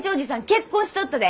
結婚しとったで。